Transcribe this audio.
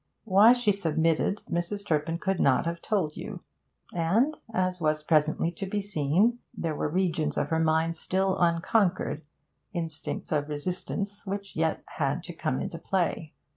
Why she submitted, Mrs. Turpin could not have told you. And, as was presently to be seen, there were regions of her mind still unconquered, instincts of resistance which yet had to come into play.